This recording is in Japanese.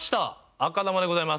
赤球でございます。